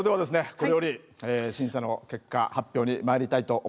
これより審査の結果発表にまいりたいと思います。